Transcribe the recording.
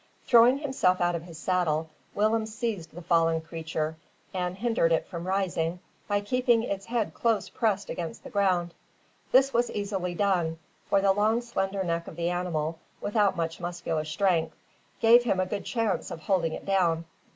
Throwing himself out of his saddle, Willem seized the fallen creature, and hindered it from rising, by keeping its head close pressed against the ground. This was easily done, for the long slender neck of the animal, without much muscular strength, gave him a good chance of holding it down.